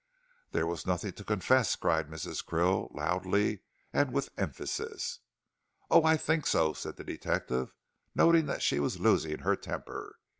"There was nothing to confess," cried Mrs. Krill, loudly and with emphasis. "Oh, I think so," said the detective, noting that she was losing her temper.